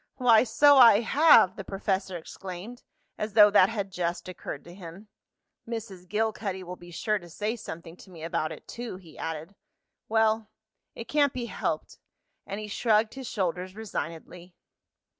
"Why, so I have!" the professor exclaimed, as though that had just occurred to him. "Mrs. Gilcuddy will be sure to say something to me about it too," he added. "Well, it can't be helped," and he shrugged his shoulders resignedly.